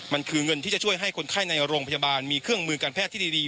มันคือเงินที่จะช่วยให้คนไข้ในโรงพยาบาลมีเครื่องมือการแพทย์ที่ดี